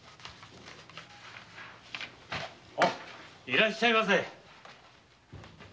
いらっしゃいませ。